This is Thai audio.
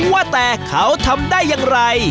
ว่าแต่เขาทำได้อย่างไร